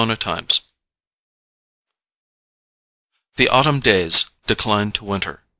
Chapter 8 The autumn days declined to winter.